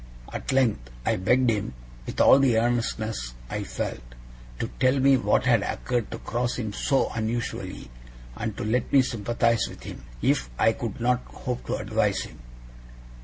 At length I begged him, with all the earnestness I felt, to tell me what had occurred to cross him so unusually, and to let me sympathize with him, if I could not hope to advise him.